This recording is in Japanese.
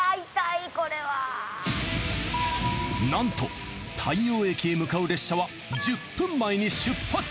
なんと大洋駅へ向かう列車は１０分前に出発！